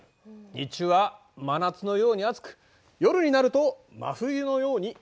日中は真夏のように暑く夜になると真冬のように寒い。